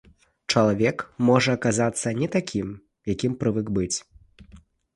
Чалавек можа аказацца не такім, якім прывык быць.